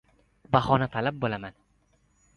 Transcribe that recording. Bahonatalab bo‘laman.